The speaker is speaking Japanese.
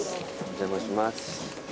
お邪魔します。